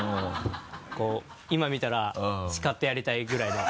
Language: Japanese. こう今見たら叱ってやりたいぐらいの。